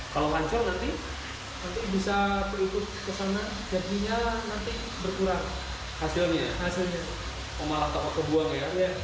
kalau nanti bisa ke sana jadi nanti berkurang hasilnya hasilnya